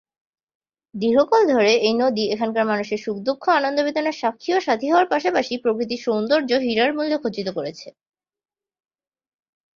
দীর্ঘকাল ধরে এই নদী এখানকার মানুষের সুখ-দুঃখ আনন্দ বেদনার স্বাক্ষী ও সাথী হওয়ার পাশাপাশি প্রকৃতির সৌন্দর্য হীরার মূল্যে খচিত করেছে।